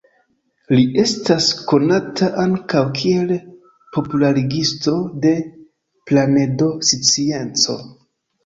Li estas konata ankaŭ kiel popularigisto de planedoscienco.